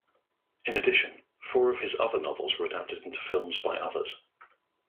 In addition, four of his other novels were adapted into films by others.